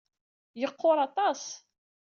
Yeqqur aṭas.